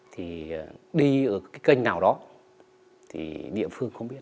thì đi ở cái kênh nào đó thì địa phương không biết